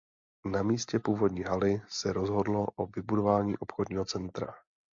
Na místě původní haly se rozhodlo o vybudování obchodního centra.